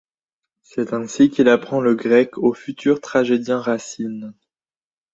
C'est ainsi qu'il apprend le grec au futur tragédien Racine.